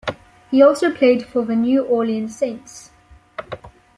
He also played for the New Orleans Saints.